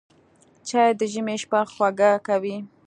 چای د ژمي شپه خوږه کوي